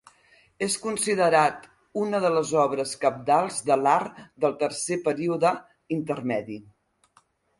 És considerat una de les obres cabdals de l'art del tercer període intermedi.